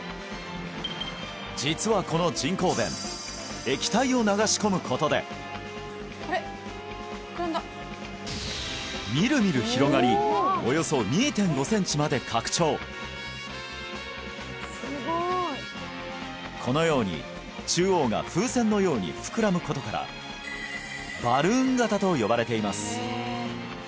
実はこの人工弁液体を流し込むことでみるみる広がりこのように中央が風船のように膨らむことからバルーン型と呼ばれています